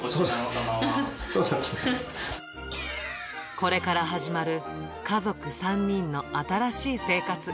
これから始まる家族３人の新しい生活。